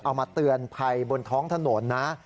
เอามาเตือนภัยบนท้องถนนนะ